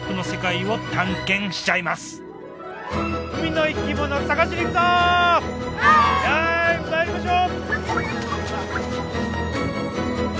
はい参りましょう！